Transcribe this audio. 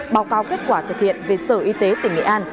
báo cáo kết quả thực hiện về sở y tế tỉnh nghệ an